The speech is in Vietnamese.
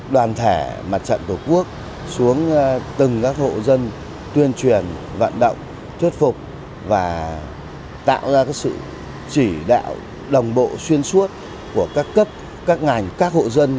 đoàn thể mặt trận tổ quốc xuống từng các hộ dân tuyên truyền vận động thuyết phục và tạo ra sự chỉ đạo đồng bộ xuyên suốt của các cấp các ngành các hộ dân